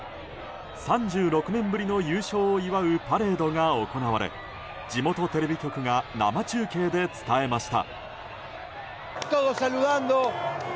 ３６年ぶりの優勝を祝うパレードが行われ地元テレビ局が生中継で伝えました。